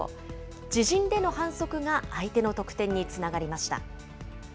自陣での反則が相手の得点につながりました。